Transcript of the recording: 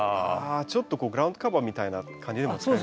ちょっとグラウンドカバーみたいな感じにも使えるんですかね。